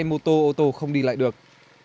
một tuyến xe mô tô ô tô không đi lại được